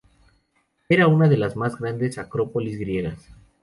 Era una de las más grandes acrópolis griegas.